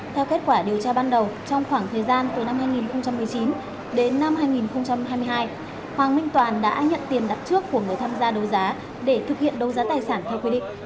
theo kết quả điều tra ban đầu trong khoảng thời gian từ năm hai nghìn một mươi chín đến năm hai nghìn hai mươi hai hoàng minh toàn đã nhận tiền đặt trước của người tham gia đấu giá để thực hiện đấu giá tài sản theo quy định